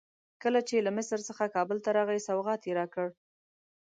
کله چې له مصر څخه کابل ته راغی سوغات یې راکړ.